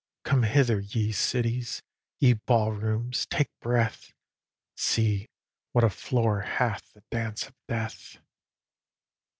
Come hither, ye cities! ye ball rooms, take breath! See what a floor hath the dance of death!